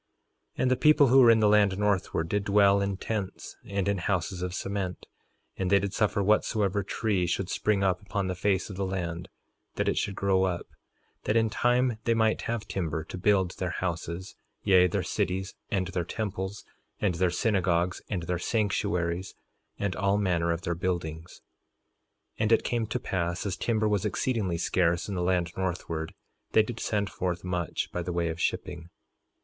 3:9 And the people who were in the land northward did dwell in tents, and in houses of cement, and they did suffer whatsoever tree should spring up upon the face of the land that it should grow up, that in time they might have timber to build their houses, yea, their cities, and their temples, and their synagogues, and their sanctuaries, and all manner of their buildings. 3:10 And it came to pass as timber was exceedingly scarce in the land northward, they did send forth much by the way of shipping.